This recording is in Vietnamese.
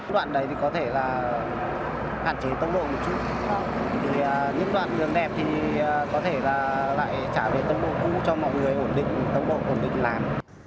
đoạn đấy thì có thể là hạn chế tốc độ một chút thì những đoạn đường đẹp thì có thể là lại trả về tốc độ cũ cho mọi người ổn định tốc độ ổn định lại